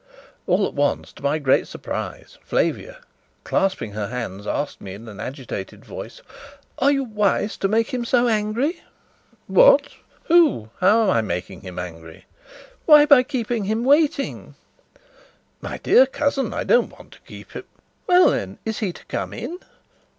All at once, to my great surprise, Flavia, clasping her hands asked in an agitated voice: "Are you wise to make him angry?" "What? Who? How am I making him angry?" "Why, by keeping him waiting." "My dear cousin, I don't want to keep him " "Well, then, is he to come in?"